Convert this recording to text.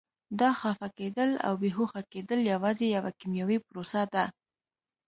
دا خفه کېدل او بې هوښه کېدل یوازې یوه کیمیاوي پروسه ده.